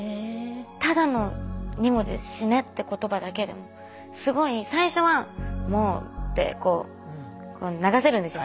ただの２文字「死ね」って言葉だけでもすごい最初はもうって流せるんですよ。